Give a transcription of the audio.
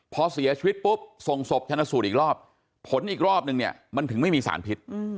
พอเสียชีวิตปุ๊บส่งศพชนะสูตรอีกรอบผลอีกรอบนึงเนี่ยมันถึงไม่มีสารพิษ